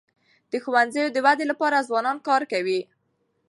د ښوونځیو د ودی لپاره ځوانان کار کوي.